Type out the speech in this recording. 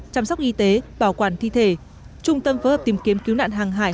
chăm sóc y tế bảo quản thi thể trung tâm phối hợp tìm kiếm cứu nạn hàng hải